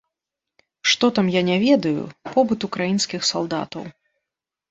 Што там, я не ведаю, побыт украінскіх салдатаў.